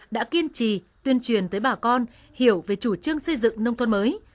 đã kiên trì tuyên truyền tới bà con hiểu về chủ trương xây dựng nông thôn mới